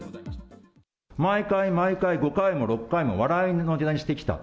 毎回、毎回、５回も６回も、笑いのねたにしてきた。